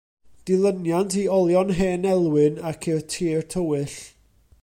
Dilyniant i Olion Hen Elwyn ac I'r Tir Tywyll.